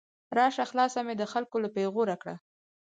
راشه خلاصه مې د خلګو له پیغور کړه